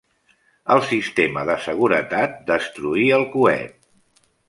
El sistema de seguretat destruí el coet.